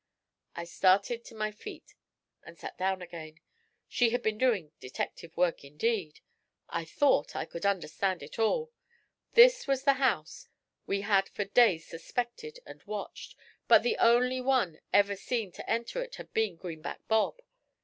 I started to my feet, and sat down again. She had been doing detective work indeed! I thought I could understand it all. This was the house we had for days suspected and watched, but the only one ever seen to enter it had been Greenback Bob.